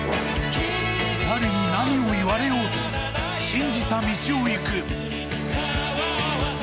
誰に何を言われようと信じた道を行く。